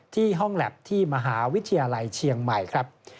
ที่ห้องแล็บที่มหาวิทยาลัยเชียงใหม่ครับ